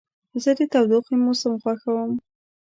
زه د تودوخې موسم خوښوم.